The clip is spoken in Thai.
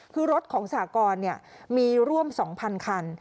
คือรถของสหกรเนี่ยมีร่วมสองพันคัน